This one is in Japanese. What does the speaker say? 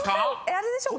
あれでしょ？